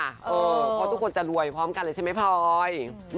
เพราะทุกคนจะรวยพร้อมกันเลยใช่ไหมพลอย